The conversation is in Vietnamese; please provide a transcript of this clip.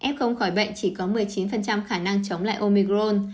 f khỏi bệnh chỉ có một mươi chín khả năng chống lại omicron